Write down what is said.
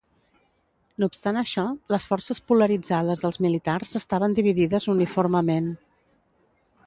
No obstant això, les forces polaritzades dels militars estaven dividides uniformement.